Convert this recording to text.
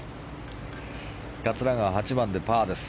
桂川、８番でパーです。